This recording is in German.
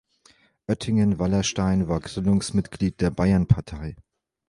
Oettingen-Wallerstein war Gründungsmitglied der Bayernpartei.